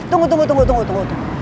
eh tunggu tunggu tunggu